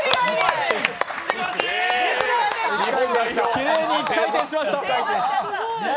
きれいに１回転しました。